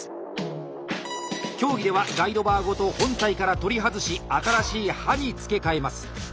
競技ではガイドバーごと本体から取り外し新しい刃に付け替えます。